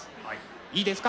いいですか？